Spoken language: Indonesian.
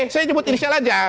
saya sebut inisial aja